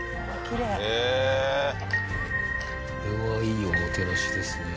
これはいいおもてなしですね。